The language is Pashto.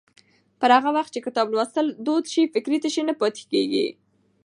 پر هغه وخت چې کتاب لوستل دود شي، فکري تشې نه پاتې کېږي.